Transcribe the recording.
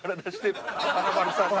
華丸さんは。